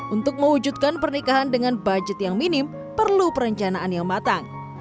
untuk mewujudkan pernikahan dengan budget yang minim perlu perencanaan yang matang